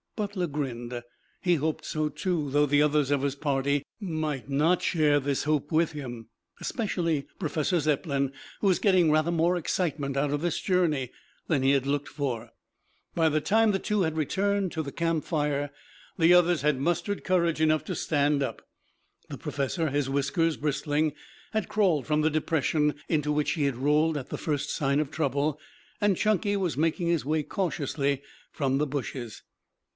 Butler grinned. He hoped so too, though the others of his party might not share this hope with him, especially Professor Zepplin who was getting rather more excitement out of this journey than he had looked for. By the time the two had returned to the campfire the others had mustered courage enough to stand up. The professor, his whiskers bristling, had crawled from the depression into which he had rolled at the first sign of trouble, and Chunky was making his way cautiously from the bushes.